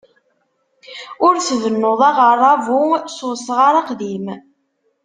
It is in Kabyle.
Ur tbennuḍ aɣerrabu s usɣar aqdim.